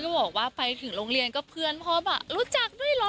บอกว่าไปถึงโรงเรียนก็เพื่อนพ่อบอกรู้จักด้วยเหรอ